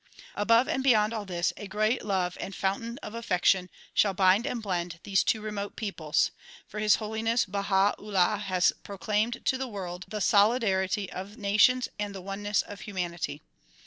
Above and beyond all this, a great love and fountain of affec tion shall bind and blend these two remote peoples ; for His Holi ness Baha 'Ullah has proclaimed to the world the solidarity of nations and the oneness of humanity.